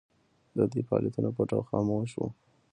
د دوی فعالیتونه پټ او خاموشه وو.